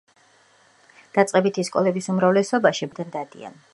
დაწყებითი სკოლების უმრავლესობაში ბავშვები გაკვეთილებზე სახლიდან დადიან.